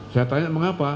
saya tanya mengapa